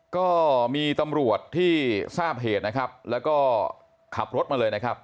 ก็มีตำรวจที่ทราบเหตุนะครับแล้วก็ขับรถมาเลยนะครับ